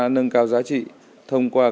nâng cao giá trị thông qua